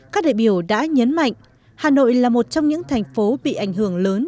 các đại biểu đã nhấn mạnh hà nội là một trong những thành phố bị ảnh hưởng lớn